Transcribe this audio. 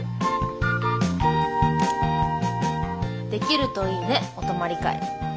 できるといいねお泊まり会。